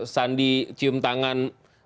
sandi cium tangan